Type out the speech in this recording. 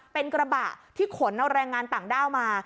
เป็นกระบะที่ขนเอาแรงงานต่างด้าวมา